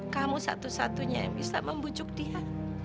kamu satu satunya yang bisa membujuk dia